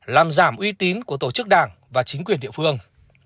làm giảm uy tín của tổ chức đảng và chính quyền địa phương